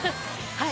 はい。